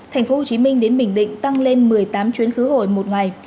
tp hcm đến bình định tăng lên một mươi tám chuyến khứ hồi một ngày